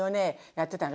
やってたの。